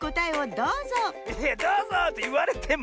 「どうぞ」っていわれても。